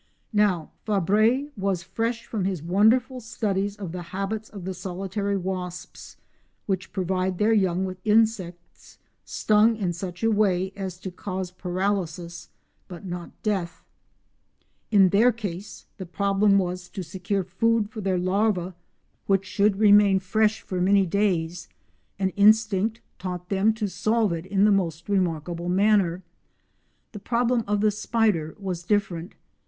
Now Fabre was fresh from his wonderful studies of the habits of the solitary wasps, which provide their young with insects stung in such a way as to cause paralysis but not death. In their case the problem was to secure food for their larvae which should remain fresh for many days, an instinct taught them to solve it in the most remarkable manner. The problem of the spider was different.